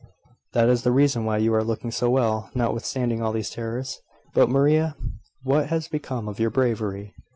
"That is the reason why you are looking so well, notwithstanding all these terrors. But, Maria, what has become of your bravery?"